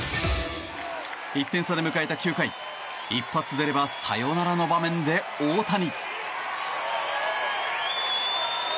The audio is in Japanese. １点差で迎えた９回一発出ればサヨナラの場面で大谷。